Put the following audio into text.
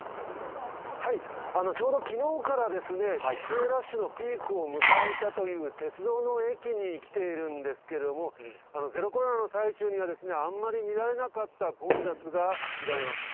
ちょうどきのうからですね、帰省ラッシュのピークを迎えたという鉄道の駅に来ているんですけども、ゼロコロナの最中にはあんまり見られなかった混雑が見られます。